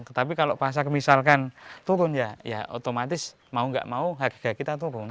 tetapi kalau pasar misalkan turun ya ya otomatis mau nggak mau harga kita turun